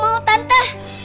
mau mau tante